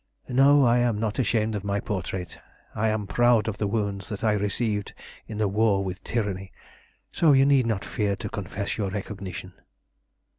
No, I am not ashamed of my portrait. I am proud of the wounds that I have received in the war with tyranny, so you need not fear to confess your recognition."